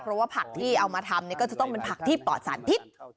เพราะว่าผักที่เอามาทำก็จะต้องเป็นผักที่ปลอดสารพิษ